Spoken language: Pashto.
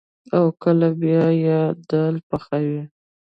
او کله لوبيا يا دال پخول.